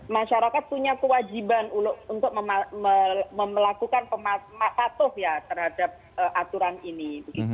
masyarakat punya kewajiban untuk melakukan patuh ya terhadap aturan ini